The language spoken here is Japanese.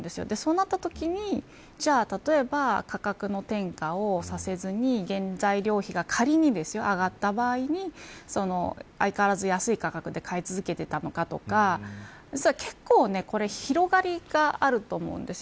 そうなったときに、じゃあ例えば価格の転嫁をさせずに原材料費が仮に上がった場合に相変わらず安い価格で買い続けていたのかとかそしたら結構、これ広がりがあると思うんです。